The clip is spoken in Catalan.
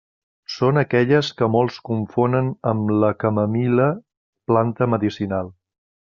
Són aquelles que molts confonen amb la camamil·la, planta medicinal.